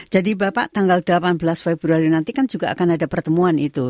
bapak tanggal delapan belas februari nanti kan juga akan ada pertemuan itu